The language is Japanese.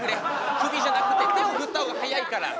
首じゃなくて手を振った方が早いから。